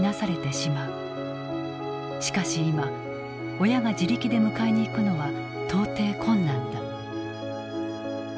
しかし今親が自力で迎えに行くのは到底困難だ。